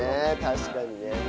確かにね。